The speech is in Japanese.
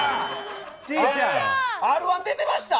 Ｒ−１出てました。